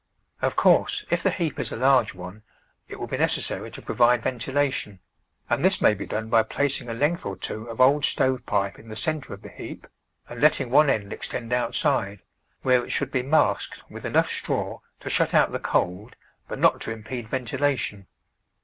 Of course, if the heap is a large one, it will be necessary to provide ventilation, and this may be done by placing a length or two of old stove pipe in the centre of the heap and letting one end extend outside, where it should be masked with enough straw to shut out the cold but not to im pede ventilation.